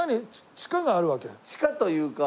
地下というか。